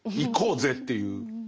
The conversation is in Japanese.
いこうぜっていう。